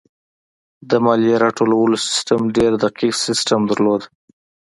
د مالیې راټولولو سیستم ډېر دقیق سیستم درلود.